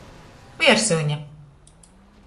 Viersyune.